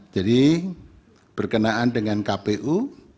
jadi berkenaan dengan kpu